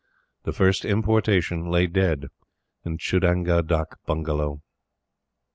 The first importation lay dead in Chooadanga Dak Bungalow.